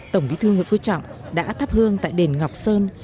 tổng bí thư nguyễn phú trọng đã thắp hương tại đền ngọc sơn